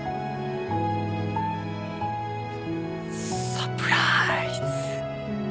サプライズ。